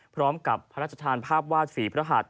พร้อมกับพระราชทานภาพวาดฝีพระหัส